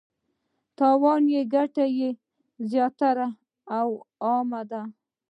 تاوان یې ګټه زیاته او عامه ده.